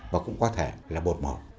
và cũng có thể là bột mỏ